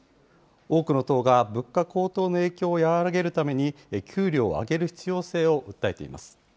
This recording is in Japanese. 多くの党が、物価高騰の影響を和らげるために給料を上げる必要性を訴えています。